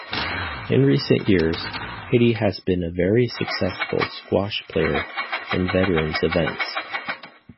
In recent years, Hiddy has been a very successful squash player in veteran's events.